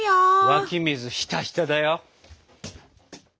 湧き水ひたひただよ！